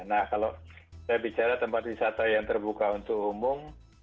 nah kalau saya bicara tempat wisata yang terbuka untuk umum